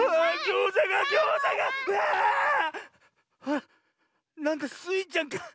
あっなんだスイちゃんか。